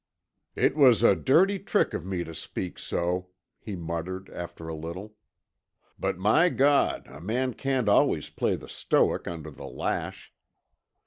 "It was a dirty trick of me to speak so," he muttered, after a little. "But my God, a man can't always play the Stoic under the lash.